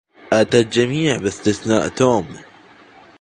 أتى الجميع باستثناء توم.